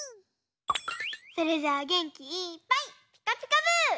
それじゃあげんきいっぱい「ピカピカブ！」。